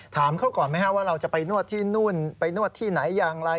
ถามเขาก่อนไหมครับว่าเราจะไปนวดที่นู่นไปนวดที่ไหนอย่างไร